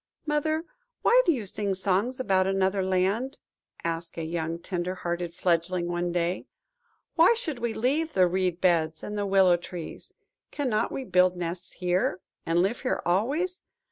"Mother, why do you sing songs about another land?" asked a young tender hearted fledgling one day. "Why should we leave the reed beds and the willow trees? Cannot we all build nests here, and live here always?